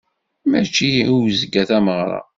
Mačči i uzekka tameɣṛa.